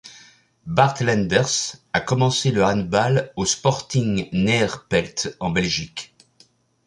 Bart Lenders a commencé le handball au Sporting Neerpelt en Belgique.